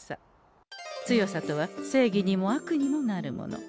強さとは正義にも悪にもなるもの。